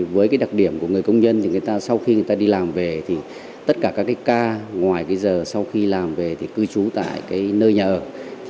với cái đặc điểm của người công nhân thì người ta sau khi người ta đi làm về thì tất cả các ca ngoài giờ sau khi làm về thì cư trú tại nơi nhà ở